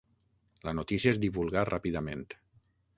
La notícia es divulgà ràpidament.